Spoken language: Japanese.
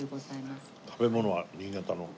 食べ物は新潟の。